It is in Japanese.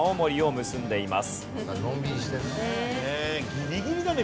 ギリギリだね！